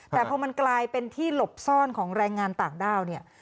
แต่พอมันกลายเป็นที่หลบซ่อนของแรงงานต่างด้าวเนี่ย